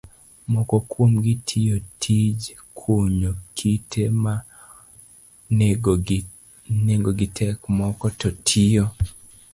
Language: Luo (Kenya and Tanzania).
Moko kuomgi tiyo tij kunyo kite ma nengogi tek, moko to tiyo